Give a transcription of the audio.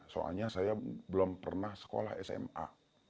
soalnya saya belum pernah sekolah sma